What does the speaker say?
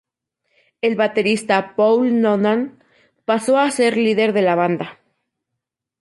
El baterista Paul Noonan pasó a ser el líder de la banda.